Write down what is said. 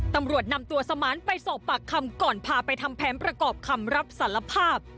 ตำรวจนำตัวสมานไปสอบปากคำก่อนพาไปทำแผนประกอบคำรับสารภาพ